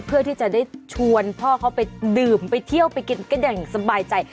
เพื่อที่จะได้ชวนพ่อเขาไปดื่มไปเที่ยวไปกินกันอย่างสบายใจ